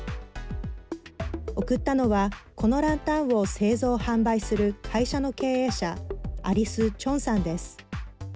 贈ったのはこのランタンを製造・販売する会社の経営者アリス・チョンさんです。